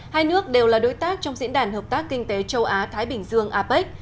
hai nước đều là đối tác trong diễn đàn hợp tác kinh tế châu á thái bình dương apec